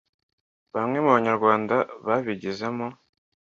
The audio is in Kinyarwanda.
bamwe mu banyarwanda babigizemo